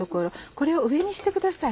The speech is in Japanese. これを上にしてください。